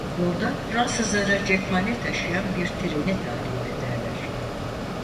Yolda Fransızlara cephane taşıyan bir treni tahrip ederler.